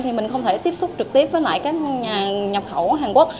thì mình không thể tiếp xúc trực tiếp với lại các nhà nhập khẩu hàn quốc